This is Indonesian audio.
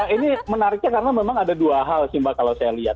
ini menariknya karena memang ada dua hal sih mbak kalau saya lihat